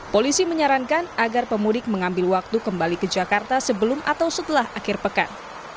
polisi menyarankan agar pemudik mengambil waktu kembali ke jakarta sebelum atau setelah akhir pekan